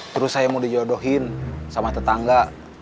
terus saya mau dijodohin sama tetangga